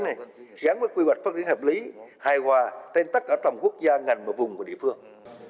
này gắn với quy hoạch phát triển hợp lý hài hòa trên tất cả tầm quốc gia ngành và vùng của địa phương